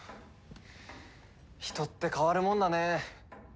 人って変わるもんだね。